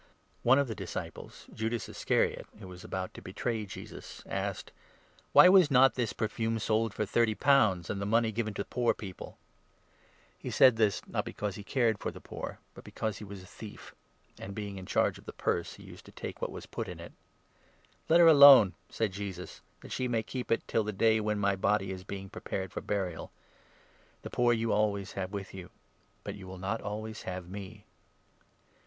One of the disciples, Judas Iscariot, who was about 4 to betray Jesus, asked : "Why was not this perfume sold for thirty pounds, and the 5 money given to poor people ?" He said this, not because he cared for the poor, but because 6 he was a thief, and, being in charge of the purse, used to take what was put in it. "Let her alone," said Jesus, "that she may keep it 7 till the day when .my body is being prepared for burial. The 8 poor you always have with you, but you will not always have me."